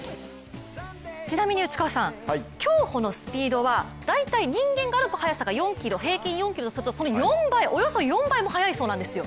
ちなみに内川さん、競歩のスピードは大体人間が歩く速さが平均４ｋｍとすると、そのおよそ４倍も速いそうなんですよ。